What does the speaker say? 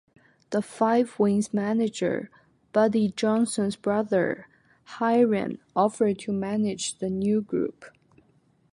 The Five Wings' manager, Buddy Johnson's brother Hiram, offered to manage the new group.